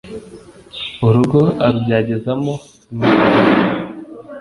urugo arubyagizamo impagarara